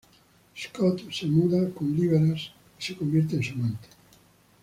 Scott se muda con Liberace y se convierte en su amante.